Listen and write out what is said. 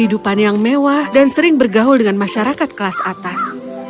dia juga suka hidup yang mewah dan sering bergahul dengan masyarakat kelas atas